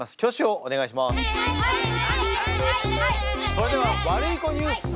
それではワルイコニュース様。